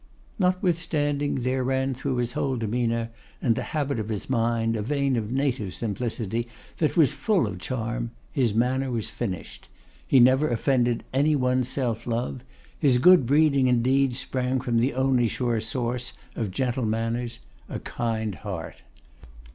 Notwithstanding there ran through his whole demeanour and the habit of his mind, a vein of native simplicity that was full of charm, his manner was finished. He never offended any one's self love. His good breeding, indeed, sprang from the only sure source of gentle manners, a kind heart.